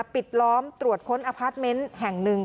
ปิดล้อมตรวจค้นอพาร์ทเมนต์แห่งหนึ่ง